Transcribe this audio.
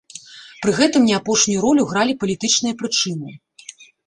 Пры гэтым не апошнюю ролю гралі палітычныя прычыны.